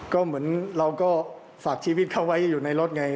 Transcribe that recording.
ก็เหมือนเราก็ฝากชีวิตเขาไว้อยู่ในรถไง